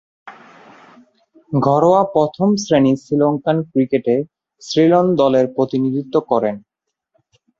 ঘরোয়া প্রথম-শ্রেণীর শ্রীলঙ্কান ক্রিকেটে সিলন দলের প্রতিনিধিত্ব করেন।